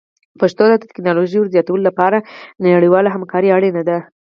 پښتو ته د ټکنالوژۍ ور زیاتولو لپاره نړیواله همکاري اړینه ده.